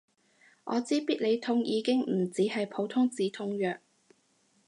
我知必理痛已經唔止係普通止痛藥